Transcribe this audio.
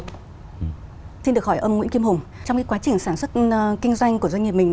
xin được hỏi ông nguyễn kim hùng trong quá trình sản xuất kinh doanh của doanh nghiệp mình